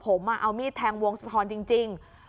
ผมมาเอามีดแทงวงสธรณ์จริง